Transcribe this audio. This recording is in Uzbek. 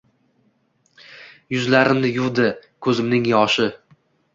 Yuzlarimni yuvdi ko‘zimning yoshi –